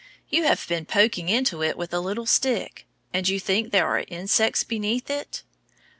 You have been poking into it with a little stick, and you think there are insects beneath it.